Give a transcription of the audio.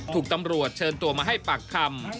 ถูกตำรวจเชิญตัวมาให้ปากคำ